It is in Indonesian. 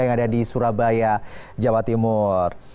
yang ada di surabaya jawa timur